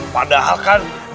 padahal kan di rumah ya